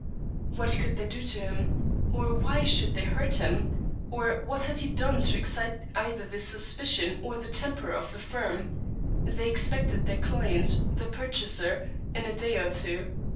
What could they do to him, or why should they hurt him, or what had he done to excite either the suspicion or the temper of the firm? They expected their client, the purchaser, in a day or two.